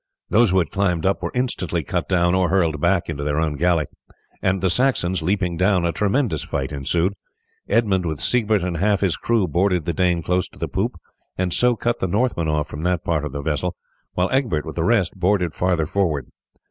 Those who had climbed up were instantly cut down or hurled back into their own galley, and the Saxons leaping down, a tremendous fight ensued. Edmund with Siegbert and half his crew boarded the Dane close to the poop, and so cut the Northmen off from that part of the vessel, while Egbert with the rest boarded farther forward.